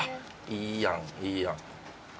いいやんいいやん。